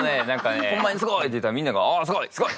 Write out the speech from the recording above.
「ホンマにすごい！」って言うたらみんなが「すごい！すごい！